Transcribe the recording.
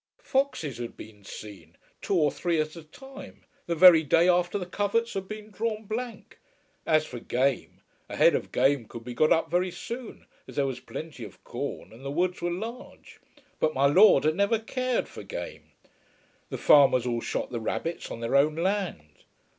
Foxes had been seen, two or three at a time, the very day after the coverts had been drawn blank. As for game, a head of game could be got up very soon, as there was plenty of corn and the woods were large; but "My Lord" had never cared for game. The farmers all shot the rabbits on their own land.